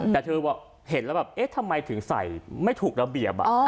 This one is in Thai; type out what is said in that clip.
แต่เธอเห็นแล้วแบบเอ๊ะทำไมถึงใส่ไม่ถูกระเบียบ